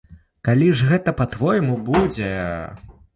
Калі ж гэта па-твойму будзе?